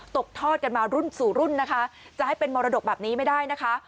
ตกทอดกันมารุ่นสู่รุ่นนะคะจะให้เป็นมรดกแบบนี้ไม่ได้นะคะ